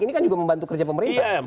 ini kan juga membantu kerja pemerintah